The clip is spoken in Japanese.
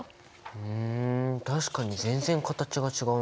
ふん確かに全然形が違うね。